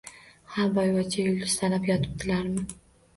Ha boyvachcha yulduz sanab yotibdilarmi?